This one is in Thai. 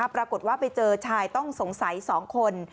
ปรากฏว่าไปเจอชายต้องสงสัย๒คน